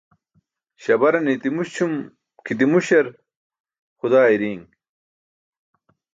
Śabarane i̇ti̇ muśum kʰiti muśar xaa xudaa iri̇i̇n.